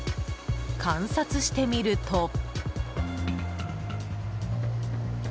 観察してみると。